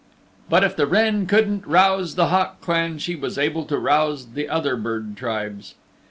But if the wren couldn't rouse the Hawk Clan she was able to rouse the other bird tribes.